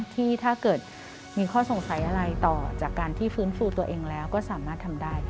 ที่ถ้าเกิดมีข้อสงสัยอะไรต่อจากการที่ฟื้นฟูตัวเองแล้วก็สามารถทำได้